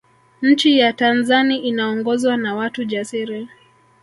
nchi ya tanzani inaongozwa na watu jasiri